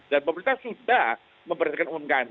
dan pemerintah sudah memberitakan umkm